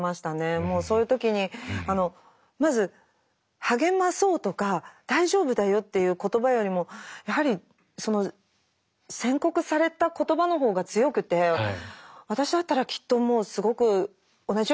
もうそういう時にまず励まそうとか大丈夫だよっていう言葉よりもやはりその宣告された言葉のほうが強くて私だったらきっともうすごく同じように悩んで。